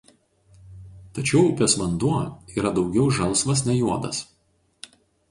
Tačiau upės vanduo yra daugiau žalsvas nei juodas.